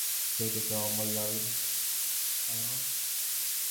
চোখ দুটো অমন লাল কেন।